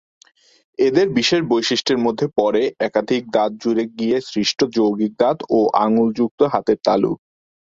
এদের বিশেষ বৈশিষ্ট্যের মধ্যে পড়ে একাধিক দাঁত জুড়ে গিয়ে সৃষ্ট যৌগিক দাঁত ও আঙুল যুক্ত হাতের তালু।